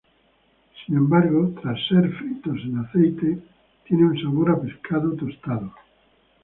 Sin embargo, luego de ser fritos en aceite, tienen un sabor a pescado tostado.